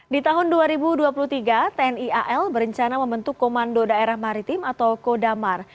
di tahun dua ribu dua puluh tiga tni al berencana membentuk komando daerah maritim atau kodamar